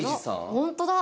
ホントだ！